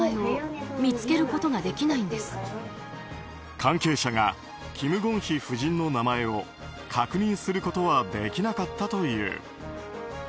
関係者がキム・ゴンヒ夫人の名前を確認することはできなかったという。